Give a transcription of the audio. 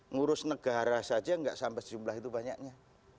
ngurus negara saja nggak sampai sejumlah itu banyaknya